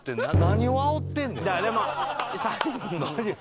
何をあおってる？